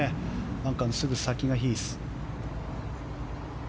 バンカーのすぐ先がヒース。